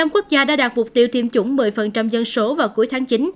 một mươi năm quốc gia đã đạt mục tiêu tiêm chủng một mươi dân số vào cuối tháng chín